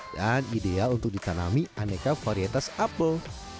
dan ideal untuk ditanami aneka varietas apel